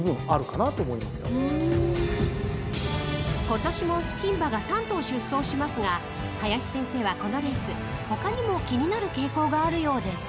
［今年も牝馬が３頭出走しますが林先生はこのレース他にも気になる傾向があるようです］